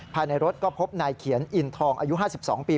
ภายในรถก็พบนายเขียนอินทองอายุ๕๒ปี